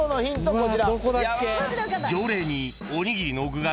こちら。